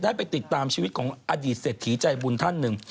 ได้ไปติดตามชีวิตของอดีตเศรษฐีใจบุญท่านหนึ่ง